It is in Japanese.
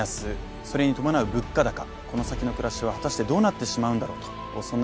それに伴う物価高、この先の暮らしは果たしてどうなってしまうんだろう、そんな